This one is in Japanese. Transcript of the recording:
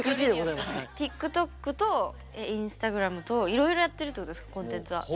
ＴｉｋＴｏｋとインスタグラムといろいろやってるってことですかコンテンツは？